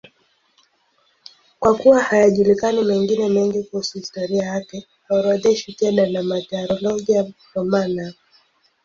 Kwa kuwa hayajulikani mengine mengi kuhusu historia yake, haorodheshwi tena na Martyrologium Romanum.